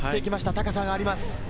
高さがあります。